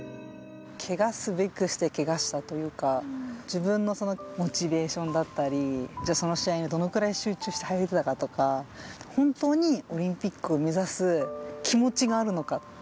けがすべくして、けがしたというか、自分のそのモチベーションだったり、その試合にどのくらい集中していたとか、本当にオリンピックを目指す気持ちがあるのか。